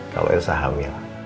kalau elsa hamil